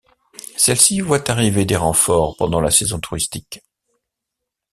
Celle-ci voit arriver des renforts pendant la saison touristique.